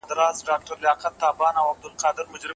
هيڅ نبي ته اجازه نسته، چي نقاشي سوي ځای ته ورسي.